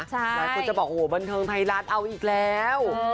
แล้วคนจะบอกโหบนเทิงไพรัสเอาอีกแล้ว